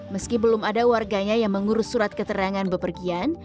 meski belum ada warganya yang mengurus surat keterangan bepergian